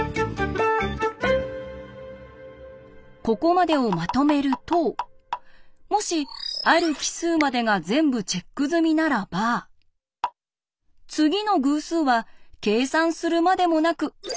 ここまでをまとめるともしある奇数までが全部チェック済みならば次の偶数は計算するまでもなく１に行きます。